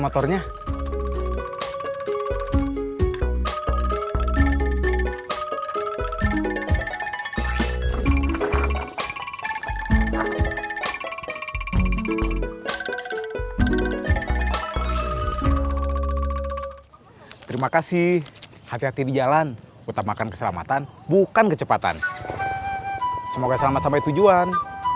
terima kasih hati hati di jalan utama keselamatan bukan kecepatan semoga selamat sampai tujuan